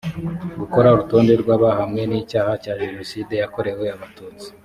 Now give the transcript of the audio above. gukora urutonde rw abahamwe n icyaha cya jenoside yakorewe abatutsi